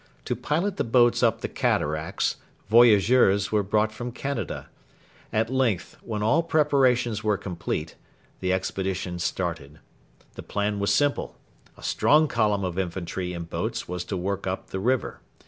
To pilot the boats up the Cataracts voyageurs were brought from Canada. At length, when all preparations were complete, the expedition started. The plan was simple. A strong column of infantry in boats was to work up the river.